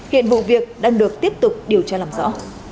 hiện vụ việc đang được tiếp tục điều tra làm rõ